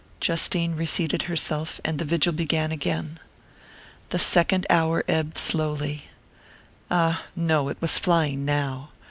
Justine reseated herself, and the vigil began again. The second hour ebbed slowly ah, no, it was flying now!